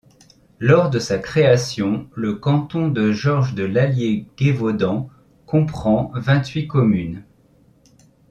Lors de sa création, le canton de Gorges de l'Allier-Gévaudan comprend vingt-huit communes.